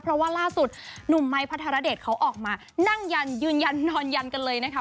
เพราะว่าล่าสุดหนุ่มไม้พระธรเดชเขาออกมานั่งยันยืนยันนอนยันกันเลยนะคะ